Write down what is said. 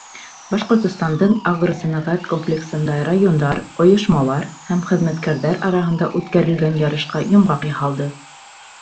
Башҡортостандың агросәнәғәт комплексында райондар, ойошмалар һәм хеҙмәткәрҙәр араһында үткәрелгән ярышҡа йомғаҡ яһалды.